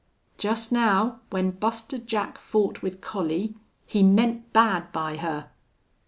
"Just now, when Buster Jack fought with Collie, he meant bad by her!"